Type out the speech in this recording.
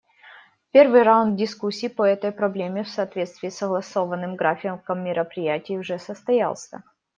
Первый раунд дискуссий по этой проблеме, в соответствии с согласованным графиком мероприятий, уже состоялся.